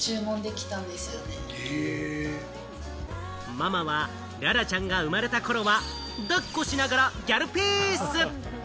ママは、ららちゃんが生まれた頃は、抱っこしながらギャルピース！